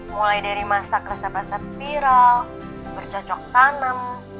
mulai dari masak resep resep viral bercocok tanam